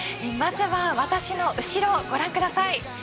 まずは私の後ろをご覧ください。